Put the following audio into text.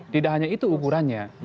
tidak hanya itu ukurannya